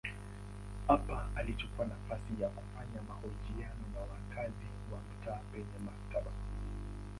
Hapa alichukua nafasi ya kufanya mahojiano na wakazi wa mtaa penye maktaba.